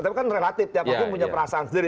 tapi kan relatif tiap hakim punya perasaan sendiri